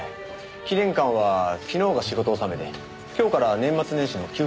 記念館は昨日が仕事納めで今日から年末年始の休館だったそうです。